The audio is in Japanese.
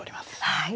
はい。